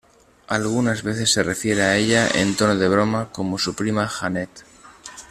Algunas veces se refiere a ella en tono de broma como su "Prima Janet".